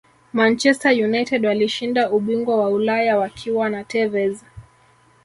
manchester united walishinda ubingwa wa ulaya wakiwa na tevez